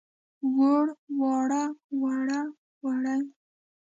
ووړ، واړه، وړه، وړې.